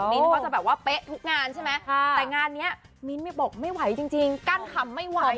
มีนก็จะแบบว่าเป๊ะทุกงานใช่ไหมแต่งานนี้มีนบอกไม่ไหวจริงกล้านคำไม่ไหว